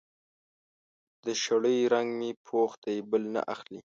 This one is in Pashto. د شړۍ رنګ مې پوخ دی؛ بل نه اخلي.